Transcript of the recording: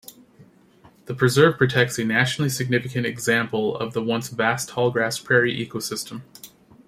The preserve protects a nationally significant example of the once vast tallgrass prairie ecosystem.